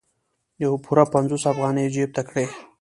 پوره پنځوس افغانۍ یې جیب ته کړې.